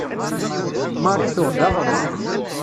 Marie tuɣ-d aɣrum.